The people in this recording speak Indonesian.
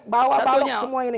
bawa balok semua ini